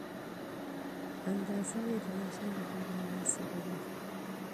اندازه یې د ماشوم لپاره مناسبه ده.